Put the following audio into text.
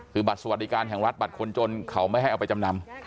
คือบัตรสวัสดิการแห่งรัฐบัตรคนจนเขาไม่ให้เอาไปจำนำ